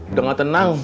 udah gak tenang